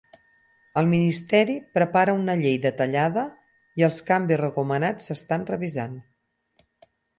El ministeri prepara una llei detallada i els canvis recomanats s'estan revisant.